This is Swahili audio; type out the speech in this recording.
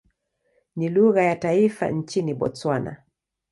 Ni lugha ya taifa nchini Botswana.